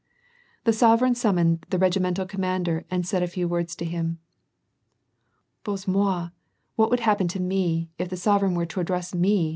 The sovereign summoned the regimental commander and said a few words to him. " Bozhe mo'i I what would happen to me, if the sovereign were to address me